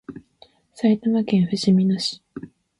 埼玉県ふじみ野市